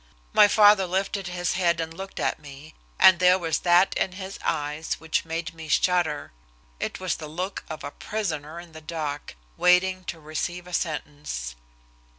My father lifted his head and looked at me, and there was that in his eyes which made me shudder. It was the look of a prisoner in the dock, waiting to receive a sentence.